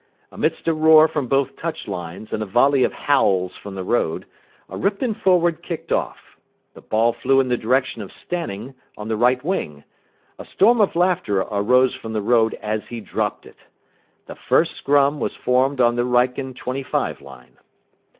Amidst a roar from both touch lines and a volley of howls from the road, a Ripton forward kicked off. The ball flew in the direction of Stanning, on the right wing. A storm of laughter arose from the road as he dropped it. The first scrum was formed on the Wrykyn twenty five line.